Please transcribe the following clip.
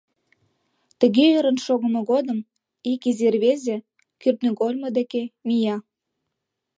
Тыге ӧрын шогымо годым ик изи рвезе кӱртньыгольмо деке мия.